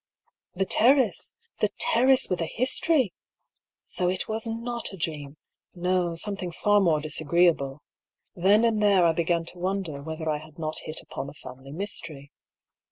The terrace! The terrace with a history! So it was not a dream ; no, something far more disagreeable. Then and there I began to wonder whether I had not hit upon a family mystery.